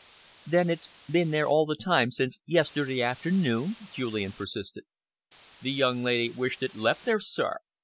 "Then it's been there all the time since yesterday afternoon?" Julian persisted. "The young lady wished it left there, sir.